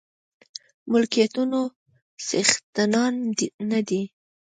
ملکيتونو څښتنان نه دي.